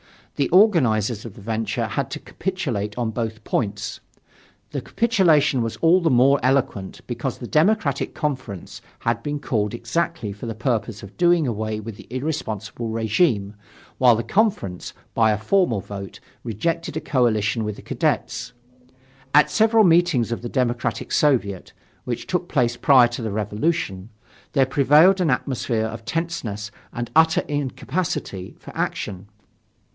The organizers of the venture had to capitulate on both points. The capitulation was all the more eloquent, because the Democratic Conference had been called exactly for the purpose of doing away with the irresponsible regime, while the Conference, by a formal vote, rejected a coalition with the Cadets. At several meetings of the Democratic Soviet which took place prior to the Revolution, there prevailed an atmosphere of tenseness and utter incapacity for action.